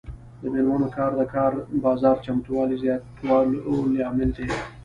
د میرمنو کار د کار بازار چمتووالي زیاتولو لامل دی.